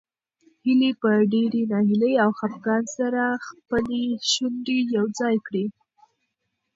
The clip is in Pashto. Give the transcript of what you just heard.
هیلې په ډېرې ناهیلۍ او خپګان سره خپلې شونډې یو ځای کړې.